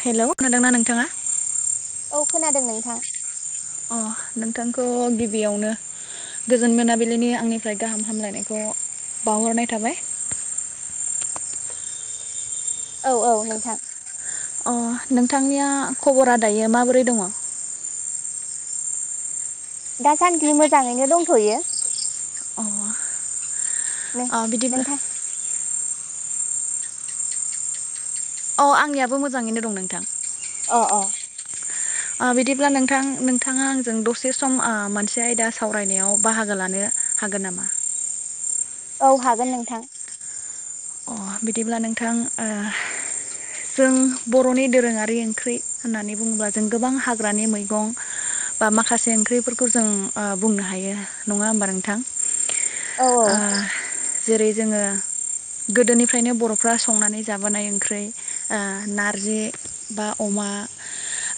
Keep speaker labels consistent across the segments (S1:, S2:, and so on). S1: Hello खोनादोंना नोंथाङा?
S2: औ खोनादों नोंथां ।
S1: अ नोंथांखौ गिबियावनो गोजोन मोनाबिलिनि आंनिफ्राय गाहाम हामलायनायखौ बाउहरनाय थाबाय।
S2: औ-औ नोंथां ।
S1: अ नोंथांनिया खबरा दायो माबोरै दङ?
S2: दासान्दि मोजाङैनो दंथ'यो ।
S1: अ ओ बिदिब्ला
S2: नोंथां
S1: अ आंनियाबो मोजाङैनो दं नोंथां ।
S2: अ- अ
S1: ओ बिदिब्ला नोंथां नोंथाङा आंजों दसे सम ओ मोनसे आयदा सावरायनायाव बाहागो लानो हागोन नामा?
S2: औ हागोन नोंथां ।
S1: अ बिदिब्ला नोंथां ओ जों बर'नि दोरोङारि ओंख्रि होननानै बुङोब्ला, जों गोबां हाग्रानि मैगं बा माखासे ओंख्रिफोरखौ ओ जों बुंनो हायो नङा होमबा नोंथां?
S2: औ
S1: ओ जेरै जोङो गोदोनिफ्रायनो बर'फ्रा संनानै जाबोनाय ओंख्रि ओ नारजि बा अमा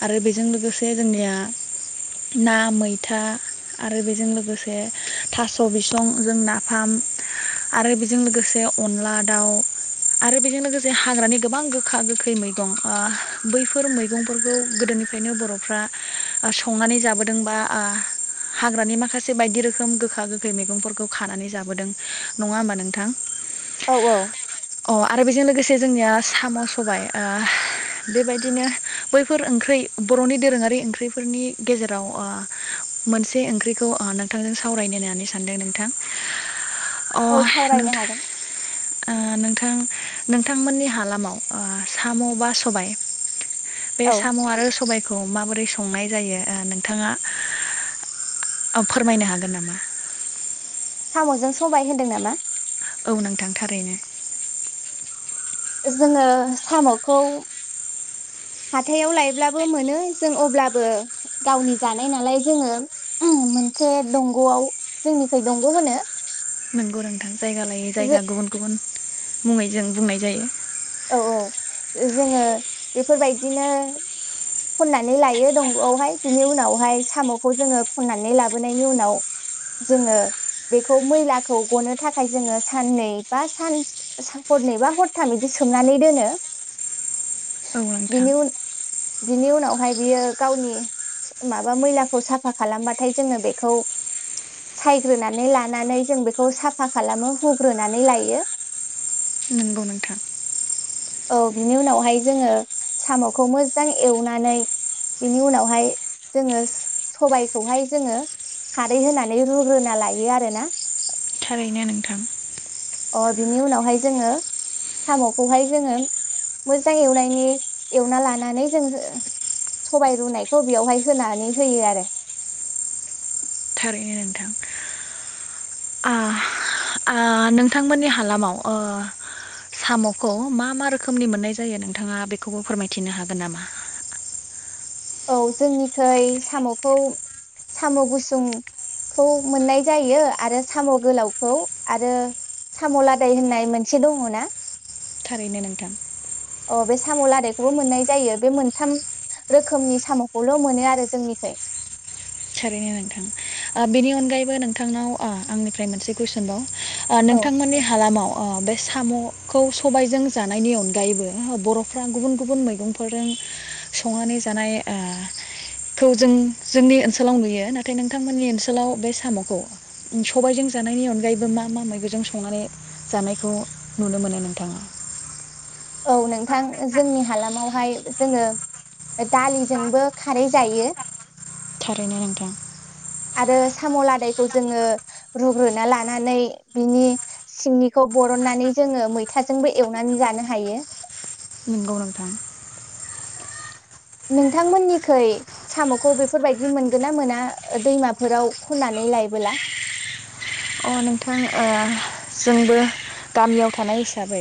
S1: आरो बेजों लोगोसे जोंनिया ना मैथा आरो बेजों लोगोसे थास' बिसं जों नाफाम आरो बेजों लोगोसे अनला दाउ आरो बेजों लोगोसे हाग्रानि गोबां गोखा गोखै मैगं ओ बैफोर मैगंफोरखौ गोदोनिफ्रायनो बर'फ्रा संनानै जाबोदों बा आ हाग्रानि माखासे बायदि रोखोम गोखा -गोखै मैगंफोरखौ खानानै जाबोदों नङा होमबा नोंथां?
S2: औ -औ
S1: अ आरो बेजों लोगोसे जोंनिया साम' सबाय ओ बेबायदिनो बैफोर ओंख्रि बरनि दोरोङारि ओंख्रिफोरनि गेजेराव ओ मोनसे ओंख्रिखौ ओ नोंथांजों सावरायनो होननानै सानदों नोंथां । अ
S2: औ सावरायनो
S1: नोंथां
S2: हागोन
S1: ओ नोंथां नोंथांमोननि हालामाव ओ साम' बा सबाय बे
S2: औ
S1: साम' आरो सबायख खौ माबोरै संनाय जायो ओ नोंथाङा औ फोरमायनो हागोन नामा?
S2: सामजों सबाय होन्दों नामा?
S1: औ नोंथां थारैनो ।
S2: जोङो साम'खौ हाथाइयाव लायब्लाबो मोनो जों अब्लाबो गावनि जानाय नालाय जोङो उम मोनसे दंगआव जोंनिखै दंग' होनो ।
S1: नोंगौ नोंथां । जायगा लायै जायगा गुबुन गुबुन मुङै जों बुंनाय जायो ।
S2: औ- औ जोङो बेफोरबायदिनो खननानै लायो दंगआवहाय बिनि उनावहाय साम'खौ जोङो खननानै लाबोनायनि उनाव जोङो बेखौ मैलाखौ गनो थाखाय जोङो साननै बा सान-हरनै बा हरथाम बि बिदि सोमनानै दोनो ।
S1: औ नोंथां ।
S2: बिनि उनावहाय बियो गावनि माबा मैलाखौ साफा खालामबाथाय जोङो बेखौ सायग्रोनानै लानानै जों बेखौ साफा खालामो हुग्रोनानै लायो ।
S1: नोंगौ नोंथां।
S2: औ बिनि उनावहाय जोङो सामखौ मोजां एवनानै बिनि उनावहाय जोङो सो सबायखौहाय जोङो खारै होनानै रुग्रोना लायो आरोना
S1: थारैनो नोंथां।
S2: अ बिनि उनावहाय जोङो सामखौहाय जोङो मोजां एवनायनि एवना लानानै जों ओ सबाय रुनायखौ बेयावहाय होनानै होयो आरो।
S1: थारैनो नोंथां ओ नोंथांमोननि हालामाव ओ सामखौ मा मा रोखोमनि मोननाय जायो नोंथाङा बेखौबो फोरमायथिनो हागोन नामा?
S2: औ जोंनिखै सामखौ साम गुसुंखौ मोननाय जायो आरो साम गोलावखौ आरो साम लादाय होननाय मोनसे दङना
S1: थारैनो नोंथां।
S2: अ' बे साम लादायखौबो मोननाय जायो बे मोनथाम रोखोमनि सामखौल मोनो आरो जोंनिखै।
S1: थारैनो नोंथां ओ बेनि अनगायैबो नोंथांनाव ओ आंनिफ्राय मोनसे कुइसनबाव? ओ
S2: औ
S1: नोंथांमोननि हालामाव ओ बे सामखौ सबायजों जानायनि अनगायैबो बर'फ्रा गुबुन गुबुन मैगंफोरजों संनानै जानाय ओ खौ जों जोंनि ओनसोल सोलाव नुयो नाथाय नोंथांमोननि ओनसोलाव बे सामखौ सबायजों जानायनि अनगायैबो मा मा मैगंजों संनानै जानायखौ नुनो मोनो नोंथाङा?
S2: औ नोंथां जोंनि हालामावहाय जोङो दालिजोंबो खारै जायो।
S1: थारैनो नोंथां।
S2: आरो साम लादायखौ जोङो रुग्रोना लानानै बिनि सिंनिखौ बरननानै जोङो मैथाजोंबो एवनानै जानो हायो।
S1: नोंगौ नोंथां।
S2: नोंथांमोननिखै सामखौ बेफोरबायदि मोनगोन ना मोना दैमाफोराव खननानै लायबोला?
S1: अ नोंथां ओ जोंबो गामियाव थानाय हिसाबै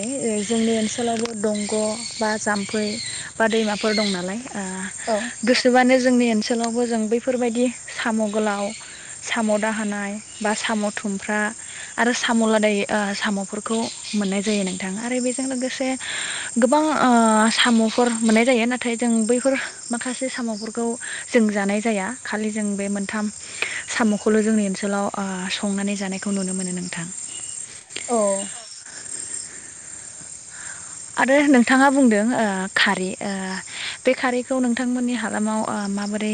S1: जोंनि ओनसोलावबो दंग बा जाम्फै बा दैमाफोर दं नालाय ओ
S2: औ
S1: गोसोबानो जोंनि ओन सोलावबो जों बैफोर बायदि साम‌ गोलाव साम दाहोनाय बा साम थु खुमफ्रा आरो साम लादाय ओ सामफोरखौ मोननाय जायो नोंथां आरो बेजों लोगोसे गोबां ओ सामफोर मोननाय जायो नाथाय जों बैफोर माखासे सामफोर गौ जों जानाय जाया खालि जों बे मोनथाम सामखौल जोंनि ओनसोलाव आ संनानै जानायखौ नुनो मोनो नोंथां।
S2: औ
S1: आरो नोंथाङा बुंदों ओ खारै ओ बे खारैखौ नोंथांमोननि हालामाव ओ माबोरै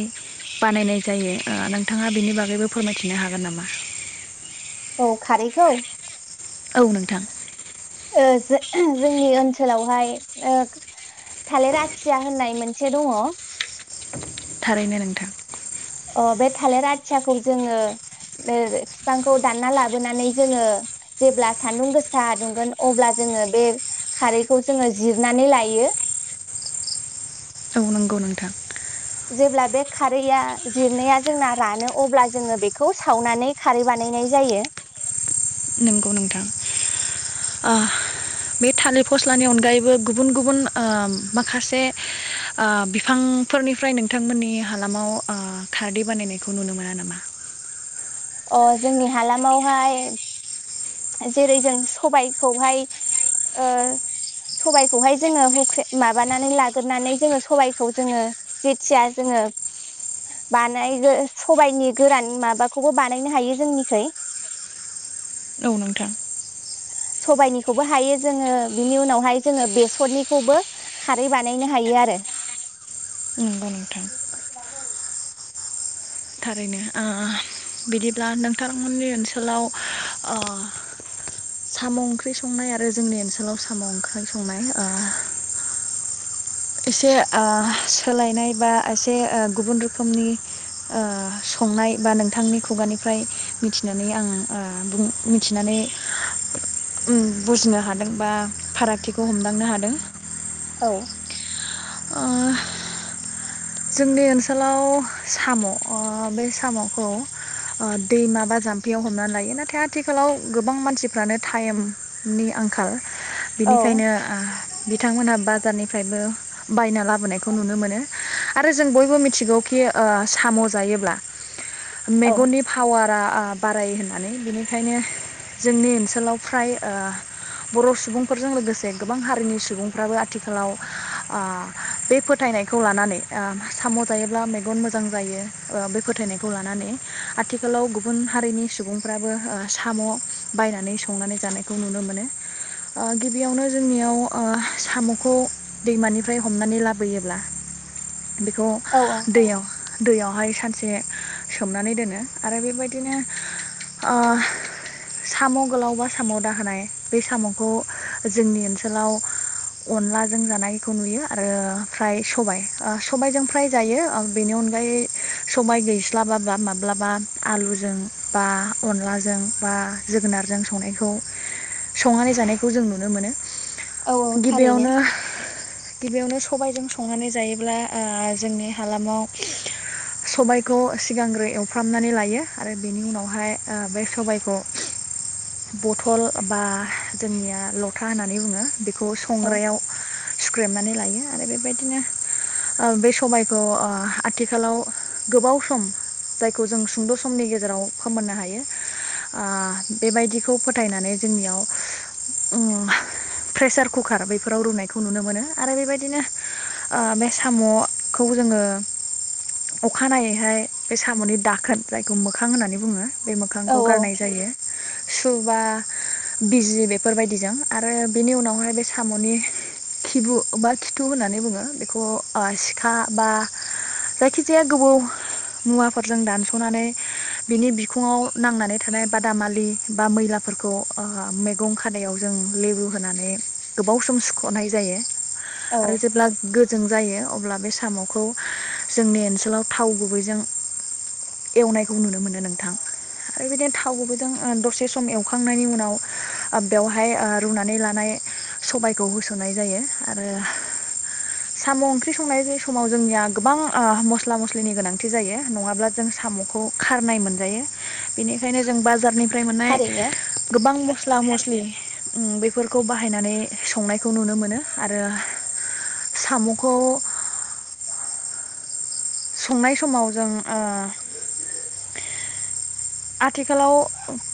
S1: बानायनाय जायो ओ नोंथाङा बिनि बागैबो फोरमायथिनो हागोन नामा?
S2: औ खारैखौ?
S1: औ नोंथां।
S2: ओ जो जोंनि ओनसोलावहाय ओ थालिर आथिया होननाय मोनसे दङ
S1: थारैनो नोंथां।
S2: अ बे थालिर आथियाखौ जोङो ओ बिफांखौ दानना लाबोनानै जोङो जेब्ला सानदुं गोसा दुंगोन अब्ला जोङो बे खारैखौ जोङो जिरनानै लायो।
S1: औ नोंगौ नोंथां।
S2: जेब्ला बे खारैया जिरनाया जोंना रानो अब्ला जोङो बेखौ सावनानै खारै बानायनाय जायो।
S1: नोंगौ नोंथां। ओ बे थालिर फस्लानि अनगायैबो गुबुन गुबुन ओ माखासे ओ बिफांफोरनिफ्राय नोंथांमोननि हालामाव ओ खारदै बानायनायखौ नुनो मोना नामा?
S2: अ जोंनि हालामावहाय जेरै जों सबायखौहाय ओ सबायखौहाय जोङो हुख्रे माबानानै लागोरनानै जोङो सबायखौ जोङो जेथिया जोङो बानायगो सबायनि गोरान माबाखौबो बानायनो हायो जोंनिखै
S1: औ नोंथां
S2: सबायाइनिखौबो हायो जोङो बिनि उनावहाय जोङो बेसरनिखौबो खारै बानायनो हायो आरो।
S1: नंगौ नोंथां
S2: [unintelligible]
S1: थारैनो ओ बिदिब्ला नोंथांमोननि ओनसोलाव ओ साम ओंख्रि संनाय आरो जोंनि ओनसोलाव साम ओंख्रि संनाय ओ एसे ओ सोलायनाय बा एसे ओ गुबुन रोखोमनि ओ संनाय बा नोंथांनि खुगानिफ्राय मिथिनानै आं ओ बुं मिथिनानै बुजिनो हादों बा फारागथि खौ हमदांनो हादों।
S2: औ
S1: ओ जोंनि ओनसोलाव साम' ओ बे साम'खौ दैमा बा जाम्फैयाव हमनानै लायो नाथाय आथिखालाव गोबां मानसि फोरानो टाइमनि आंखाल
S2: औ
S1: बिनिखायनो ओ बिथांमोनहा बाजारनिफ्रायबो बायना लाबोनायखौ नुनो मोनो। आरो जों बयबो मिथिगौखि ओ साम' जायोब्ला
S2: औ
S1: मेगननि फावारा ओ बारायो होननानै बिनिखायनो जोंनि ओनसोलाव फ्राय ओ बर' सुबुंफोरजों लोगोसे गोबां हारिनि सुबुंफ्राबो आथिखालाव ओ बे फोथायनायखौ लानानै ओ साम' जायोब्ला मेगन मोजां जायो ओ बे फोथायनायखौ लानानै आथिखालाव गुबुन हारिनि सुबुंफ्राबो ओ साम' बायनानै संनानै जानायखौ नुनो मोनो ओ गिबियावनो जोंनियाव ओ साम'खौ दैमानिफ्राय हमनानै लाबोयोब्ला बेखौ
S2: औ औ
S1: दैयाव दैयावहाय सानसे सोमनानै दोनो आरो बेबायदिनो ओ साम' गोलावबा साम' दाहोनाय बे साम'खौ जोंनि ओनसोलाव अनलाजों जानायखौ नुयो आरो फ्राय सबाय ओ सबायजों फ्राय जायो बेनि अनगायै सबाइ गैस्लाबा बा माब्लाबा आलुजों बा अनलाजों बा जोगोनारजों संनायखौ संनानै जानायखौ जों नुनो मोनो।
S2: औ औ थारैनो
S1: गिबियावनो गिबियावनो सबायजों संनानै जायो अब्ला ओ जोंनि हालामाव सबायखौ सिगांग्रो एवफ्रामनानै लायो आरो बेनि उनावहाय ओ बे सबायखौ बथल बा जोंनिया लथा होननानै बुङो। बेखौ
S2: औ
S1: संग्रायाव सुख्रेमनानै लायो आरो बेबायदिनो ओ बे सबायखौ ओ आथिखालाव गोबाव सम जायखौ जों सुंद समनि गेजेराव फोमोननो हायो ओ बेबायदिखौ फोथायनानै जोंनियाव उम प्रेसार कुकार बेफोराव रुनायखौ नुनो मोनो ओम आरो बेबायदिनो ओ बे साम'खौ जोङो अखानायैहाय बे साम'नि दाखोन जायखौ मोखां होननानै बुङो। बे
S2: औ
S1: मोखांखौ गारनाय जायो। सुबा बिजि बेफोरबायदिजों आरो बिनि उनावहाय बे साम'नि खिबु बा खिथु होननानै बुङो। बेखौ ओ सिखा बा जायखिजाया गोबौ मुवाफोरजों दानसनानै बिनि बिखङाव नांनानै थानाय बादामालि बा मैलाफोरखौ ओ मैगं खादायाव जों लेबु होनानै गोबाव सम सुखनाय जायो।
S2: औ
S1: आरो जेब्ला गो बे जायो अब्ला बे सामखौ जोंनि ओनसोलाव थाव गुबैजों एवनायखौ नुनो मोनो नोंथां ओरो बिदिनो थाव गुबैजों दसे सम एवखांनायनि उनाव बेवहाय ओ रुनानै लानाय सबायखौ होसोननाय जायो आरो साम' ओंख्रि संनाय समाव जोंनिया गोबां मस्ला मस्लिनि गोनांथि जायो नङाब्ला जों सामखौ खारनाय मोनजायो बेनिखायनो जों बाजारनि फ्राय मोननाय
S2: थारैनो
S1: गोबां मस्ल मस्ला मस्लि ‌उम बेफोरखौ बाहायनानै संनाय खौ नुनो मोनो आरो साम'खौ संनाय समाव जों ओ आथिखालाव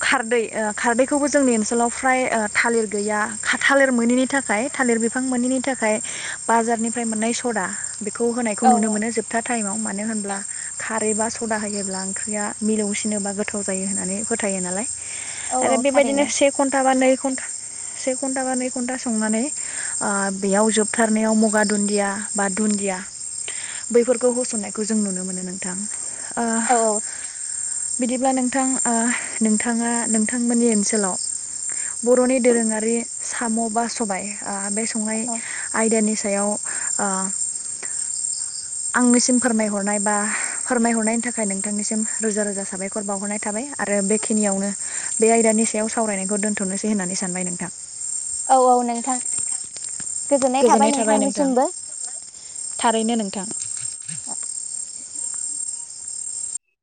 S1: खारदै ओ खारदैखौबो जोंनि ओनसोलाव फ्राय ओ थालिर गैया थालिर मोनि थाखाय थालिर बिफां मोनि थाखाय बाजारनिफ्राय मोननाय सदा बेखौ होनायखौ
S2: औ
S1: नुनो
S2: औ
S1: मोनो जोबथा थायेमाव मा नो होनब्ला खारै बा सदा होयोब्ला ओंख्रिया मिलौसिनोबा गो थाव जायो होननानै फोथायो नालाय
S2: औ
S1: आरो
S2: औ
S1: बेबायदिनो
S2: थारैनो
S1: से घन्टा बा नै उन से घन्टा बा नै घन्टा संनानै ओ बेयाव जोबथारनायाव मगा दुन्दिया बा दुन्दिया बैफोरखौ होसननायखौ जों नुनो मोनो नों थां ओ
S2: औ औ
S1: बिदिब्ला नोंथां ओ नोंथांया नोंथांमोनि ओनसोलाव बर'नि दोरोंङारि साम' बा सबाइ ओ बे स संनाय
S2: औ
S1: आयदानि सा याव ओ आंनिसिम फोरमायहरनाय बा फोरमायहरनायनि थाखाय नोंथांनिसिम रोजा रोजा साबायखर बावहरनाय थाबाय आरो बेखिनियावनो बे आयदानि सायाव सावरायनायखौ दोन्थ'नोसै होननानै सानबाय नोंथां।
S2: औ औ नोंथां
S1: गोजोननाय थाबाय नोंथां थारैनो नोंथां